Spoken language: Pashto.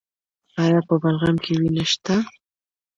ایا په بلغم کې وینه شته؟